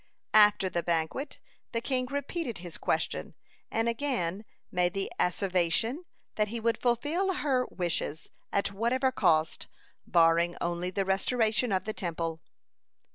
After the banquet, the king repeated his question, and again made the asseveration, that he would fulfill all her wishes at whatever cost, barring only the restoration of the Temple.